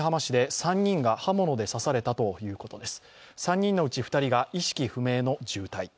３人のうち２人が意識不明の重体。